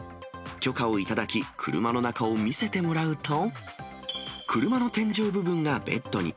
許可をいただき、車の中を見せてもらうと、車の天井部分がベッドに。